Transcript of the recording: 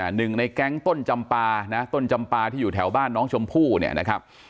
หนึ่งในแก๊งต้นจำปานะต้นจำปลาที่อยู่แถวบ้านน้องชมพู่เนี่ยนะครับ